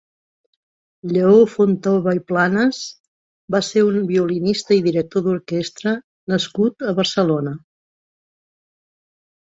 Lleó Fontova i Planes va ser un violinista i director d'orquestra nascut a Barcelona.